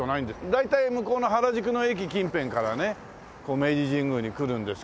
大体向こうの原宿の駅近辺からね明治神宮に来るんですけどもね。